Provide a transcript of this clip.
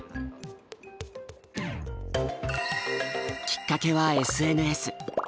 きっかけはＳＮＳ。